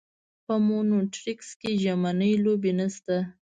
په مونټریکس کې ژمنۍ لوبې نشته.